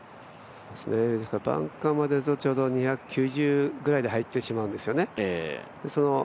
バンカーまで、ちょうど２９０くらいで入ってしまうんですよね。